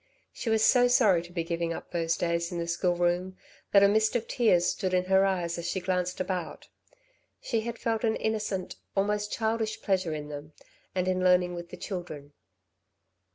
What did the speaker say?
She was so sorry to be giving up those days in the school room that a mist of tears stood in her eyes as she glanced about it. She had felt an innocent, almost childish pleasure in them, and in learning with the children.